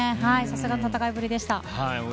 さすがの戦いぶりでした。